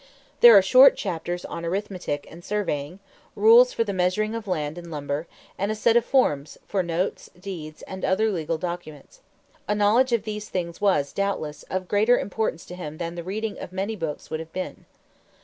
There are short chapters on arithmetic and surveying, rules for the measuring of land and lumber, and a set of forms for notes, deeds, and other legal documents. A knowledge of these things was, doubtless, of greater importance to him than the reading of many books would have been.